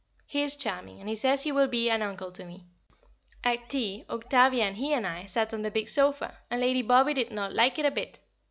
He is charming, and he says he will be an uncle to me. At tea Octavia and he and I sat on the big sofa, and Lady Bobby did not like it a bit.